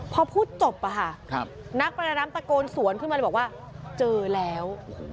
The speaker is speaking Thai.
พอพูดจบนักประดาน้ำตะโกนสวนขึ้นมาเลยบอกว่าเจอแล้ว